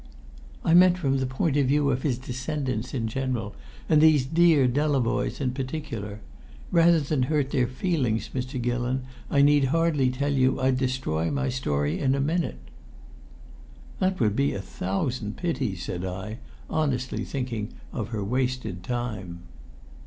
"I meant from the point of view of his descendants in general, and these dear Delavoyes in particular. Rather than hurt their feelings, Mr. Gillon, I need hardly tell you I'd destroy my story in a minute." "That would be a thousand pities," said I, honestly thinking of her wasted time.